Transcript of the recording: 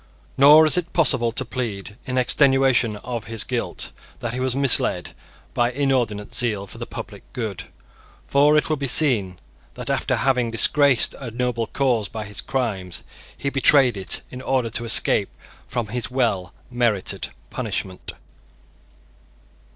Nor is it possible to plead, in extenuation of his guilt, that he was misled by inordinate zeal for the public good. For it will be seen that after having disgraced a noble cause by his crimes, he betrayed it in order to escape from his well merited punishment.